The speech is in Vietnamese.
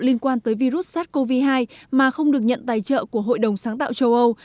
liên quan tới virus sars cov hai mà không được nhận tài trợ của hội đồng sáng tạo châu âu